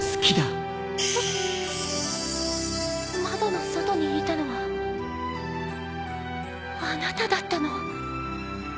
窓の外にいたのはあなただったの。